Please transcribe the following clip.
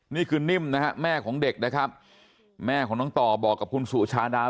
นี่คือนิ่มนะฮะแม่ของเด็กนะครับแม่ของน้องต่อบอกกับคุณสุชาดา